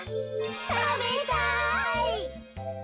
たべたい。